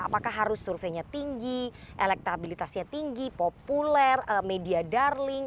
apakah harus surveinya tinggi elektabilitasnya tinggi populer media darling